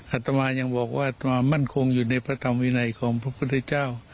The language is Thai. อัตมายังบอกว่าความมั่นคงอยู่ในพระธรรมวินัยของพระพุทธเจ้า